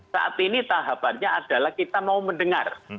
saat ini tahapannya adalah kita mau mendengar